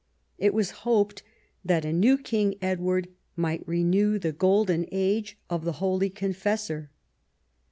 It was hoped that a new King Edward might renew the golden age of the holy Confessor.